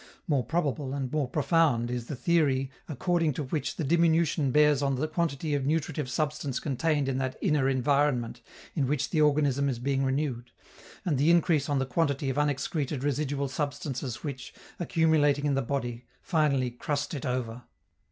More probable and more profound is the theory according to which the diminution bears on the quantity of nutritive substance contained in that "inner environment" in which the organism is being renewed, and the increase on the quantity of unexcreted residual substances which, accumulating in the body, finally "crust it over."